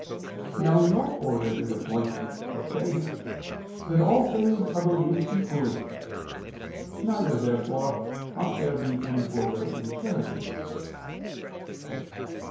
Now no order is appointed for faith, but all things are believed equally. Neither, therefore, ought there to be any order in charity.